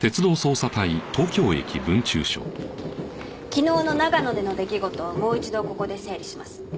昨日の長野での出来事をもう一度ここで整理します。